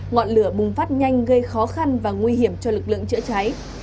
ngọn lửa bùng phát nhanh gây khó khăn và nguy hiểm cho lực lượng chữa cháy